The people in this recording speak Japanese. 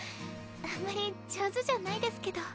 あんまり上手じゃないですけど。